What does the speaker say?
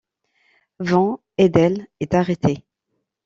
Von Eidel est arrêté.